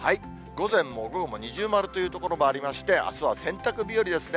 午前も午後も二重丸という所もありまして、あすは洗濯日和ですね。